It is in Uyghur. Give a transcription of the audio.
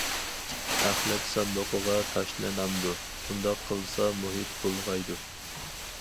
ئەخلەت ساندۇقىغا تاشلىنامدۇ؟ ئۇنداق قىلسا مۇھىت بۇلغايدۇ.